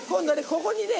ここにね。